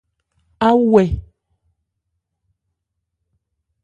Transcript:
Á wɛ̀.